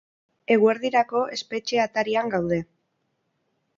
Eguerdirako espetxe atarian gaude.